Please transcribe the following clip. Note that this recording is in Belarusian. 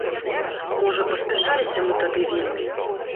Можа, паспяшаліся мы тады вельмі.